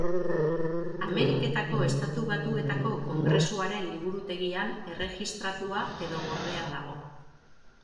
Ameriketako Estatu Batuetako Kongresuaren Liburutegian erregistratua edo gordea dago.